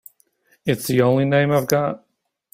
It's the only name I've got.